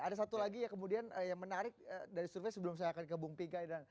ada satu lagi yang menarik dari survei sebelum saya akan ke bung pingkai dan bung anci